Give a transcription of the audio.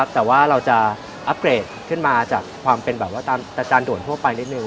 แต่ว่าเราจะอัปเกรดขึ้นมาจากความเป็นตามจานด่วนทั่วไปนิดหนึ่ง